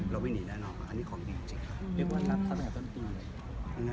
เราไม่หนีแน่นอนอันนี้ของดีจริงครับ